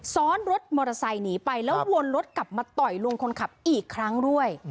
ซ้อนรถมอเตอร์ไซค์หนีไปแล้ววนรถกลับมาต่อยลุงคนขับอีกครั้งด้วย